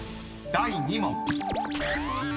［第２問］